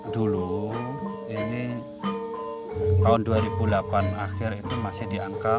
dulu ini tahun dua ribu delapan akhir itu masih di angka empat sembilan